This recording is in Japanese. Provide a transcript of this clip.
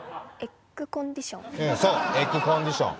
うんエッグコンディション？